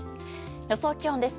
予想気温です。